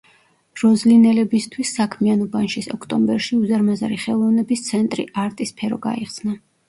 როზლინელებისთვის საქმიან უბანში ოქტომბერში უზარმაზარი ხელოვნების ცენტრი -არტისფერო- გაიხსნა.